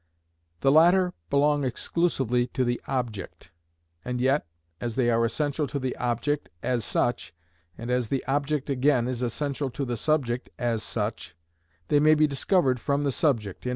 The latter belong exclusively to the object, and yet, as they are essential to the object as such, and as the object again is essential to the subject as such, they may be discovered from the subject, _i.e.